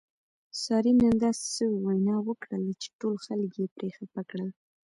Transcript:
سارې نن داسې سوې وینا وکړله چې ټول خلک یې پرې خپه کړل.